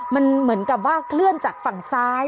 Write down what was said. มันเหมือนกับว่าเคลื่อนจากฝั่งซ้าย